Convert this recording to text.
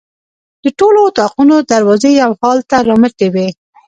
د ټولو اطاقونو دروازې یو حال ته رامتې وې.